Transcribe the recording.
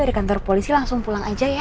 dari kantor polisi langsung pulang aja ya